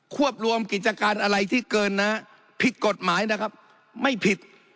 วบรวมกิจการอะไรที่เกินนะผิดกฎหมายนะครับไม่ผิด